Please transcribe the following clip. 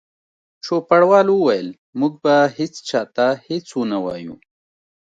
چوپړوال وویل: موږ به هیڅ چا ته هیڅ ونه وایو.